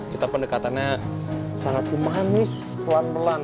kita pendekatannya sangat humanis pelan pelan